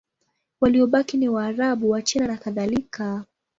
Waliobaki ni Waarabu, Wachina nakadhalika.